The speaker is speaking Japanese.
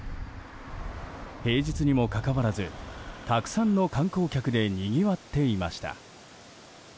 平日にもかかわらずたくさんの観光客でにぎわっていました。